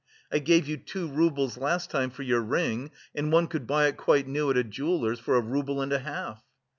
I gave you two roubles last time for your ring and one could buy it quite new at a jeweler's for a rouble and a half."